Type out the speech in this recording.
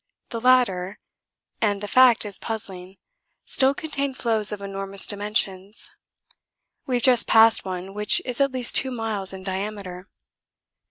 The latter, and the fact is puzzling, still contain floes of enormous dimensions; we have just passed one which is at least 2 miles in diameter.